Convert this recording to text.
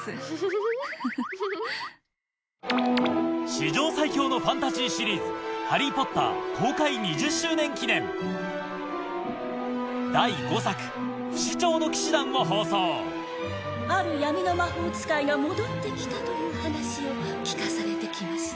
史上最強のファンタジーシリーズ第５作『不死鳥の騎士団』を放送ある闇の魔法使いが戻って来たという話を聞かされて来ました。